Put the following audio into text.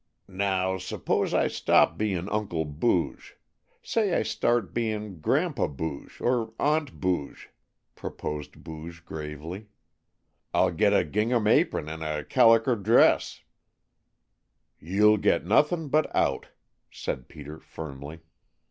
"Now, suppose I stop bein' Uncle Booge. Say I start bein' Gran'pa Booge, or Aunt Booge," proposed Booge gravely. "I'll get a gingham apron and a caliker dress " "You'll get nothin' but out," said Peter firmly.